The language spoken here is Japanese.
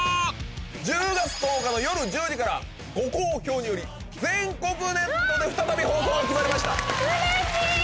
１０月１０日の夜１０時からご好評により全国ネットで再び放送が決まりました嬉しい！